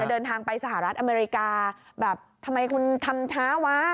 ก่อนเดินทางไปสหรัฐอเมริกาบางอย่างทำไมคุณทำท้าวะ